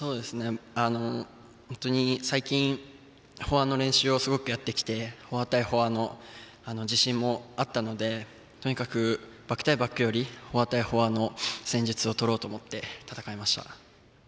本当に最近フォアの練習をすごくやってきてフォア対フォアの自信もあったのでとにかく、バック対バックよりフォア対フォアの戦術をとろうと思って戦いました。